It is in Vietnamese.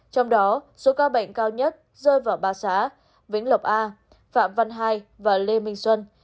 trong đó số ca bệnh cao nhất rơi vào ba xã vĩnh lộc a phạm văn hai và lê minh xuân